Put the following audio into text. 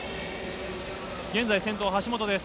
現在、先頭は橋本です。